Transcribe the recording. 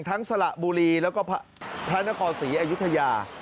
ทั้งศรับุรีแล้วก็พระนครศรียุธยา